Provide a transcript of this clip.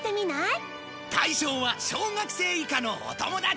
対象は小学生以下のお友達。